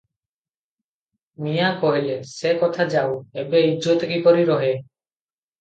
"ମିଆଁ କହିଲେ --" ସେ କଥା ଯାଉ, ଏବେ ଇଜ୍ଜତ କିପରି ରହେ?